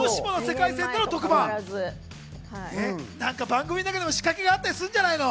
番組の中でも仕掛けがあったりするんじゃないの？